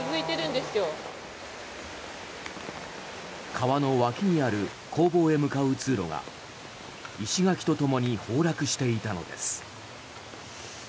川の脇にある工房へ向かう通路が石垣とともに崩落していたのです。